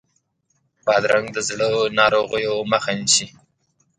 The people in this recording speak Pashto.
بادرنګ د زړه ناروغیو مخه نیسي.